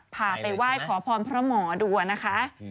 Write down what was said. พาไปว่ายขอพรพระหมอดัวนะคะ